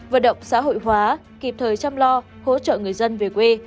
vận động xã hội hóa kịp thời chăm lo hỗ trợ người dân về quê